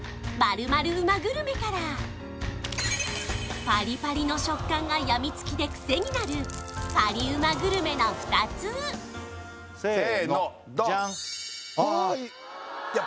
○○うまグルメからパリパリの食感がやみつきでクセになるパリうまグルメの２つせーのジャンせーのドンああいい！